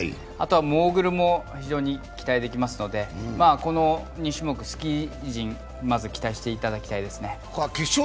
あとはモーグルも非常に期待できますので、この２種目、スキー陣にまず期待していただきたいですね。